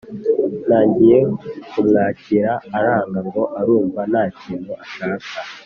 nagiye kumwakira aranga ngo arumva ntakintu ashaka